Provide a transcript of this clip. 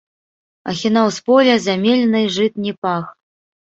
Ахінаў з поля зямельны жытні пах.